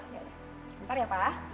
bentar ya pak